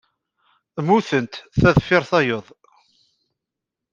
Mmutent ta deffir tayeḍ.